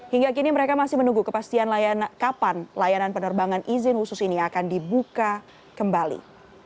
hingga kini mereka masih menunggu kepastian kapan layanan penerbangan izin khusus ini akan dibuka kembali